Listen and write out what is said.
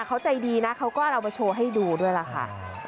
เขาใจดีนะเขาก็เอามาโชว์ให้ดูด้วยล่ะค่ะ